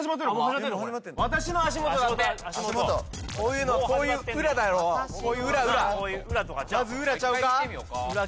私の足元だって足元こういうのはこういう裏だろこういう裏裏・裏系ちゃう？